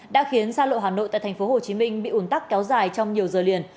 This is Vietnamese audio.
đã khiến xa lộ hà nội tại thành phố hồ chí minh bị ủn tắc kéo dài trong nhiều giờ liền